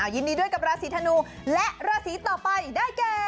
ยินดีด้วยกับราศีธนูและราศีต่อไปได้แก่